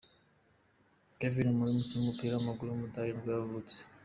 Kevin Müller, umukinnyi w’umupira w’amaguru w’umudage nibwo yavutse.